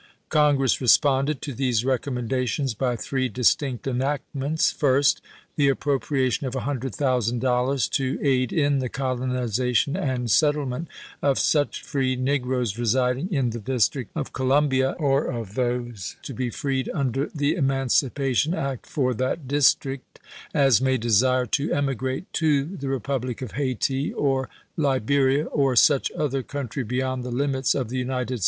Congress responded to these recommendations by three distinct enactments. First, the appropria tion of $100,000 to aid in the colonization and set tlement of such free negroes residing in the District of Columbia, or of those to be freed under the Emancipation Act for that District, " as may desire Section XI. ^^ emigrate to the Republic of Hayti or Liberia, or apjrtved such othcr couutry beyond the limits of the United '^^2.